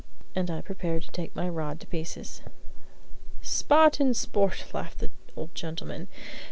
And I prepared to take my rod to pieces. "Spot and sport!" laughed the old gentleman.